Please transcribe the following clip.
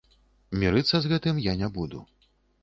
Мірыцца з гэтым я не буду.